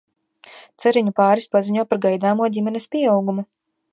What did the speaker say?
Ceriņu pāris paziņo par gaidāmo ģimenes pieaugumu.